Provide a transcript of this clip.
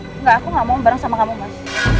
enggak aku gak mau bareng sama kamu mas